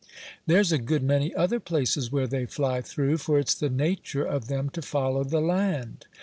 "There's a good many other places where they fly through; for it's the nature of them to follow the land.